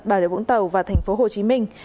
bà rịa vũng tàu và tp hồ chí minh